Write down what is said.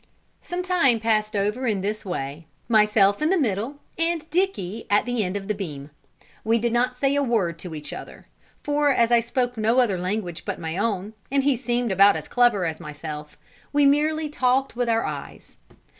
Some time passed over in this way; myself in the middle, and Dicky at the end of the beam. We did not say a word to each other; for, as I spoke no other language but my own, and he seemed about as clever as myself, we merely talked with our eyes.